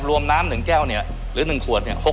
รวมน้ำ๑แก้วเนี่ยหรือ๑ขวดเนี่ย